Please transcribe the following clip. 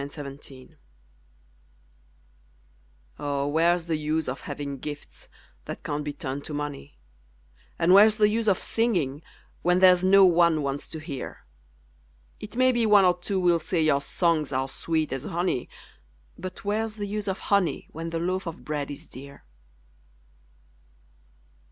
WHERE'S THE USE Oh, where's the use of having gifts that can't be turned to money? And where's the use of singing, when there's no one wants to hear? It may be one or two will say your songs are sweet as honey, But where's the use of honey, when the loaf of bread is dear?